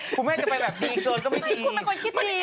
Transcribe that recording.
คุณแม่จะไปแบบดีเกินก็ไม่ดี